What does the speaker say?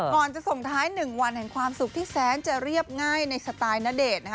ก่อนจะส่งท้าย๑วันแห่งความสุขที่แสนจะเรียบง่ายในสไตล์ณเดชน์นะคะ